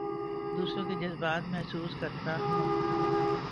دوسروں کے جذبات محسوس کرتا ہوں